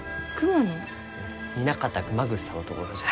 南方熊楠さんのところじゃ。